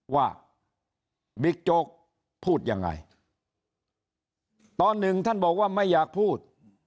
บิ๊กโจ๊กพูดยังไงตอนหนึ่งท่านบอกว่าไม่อยากพูด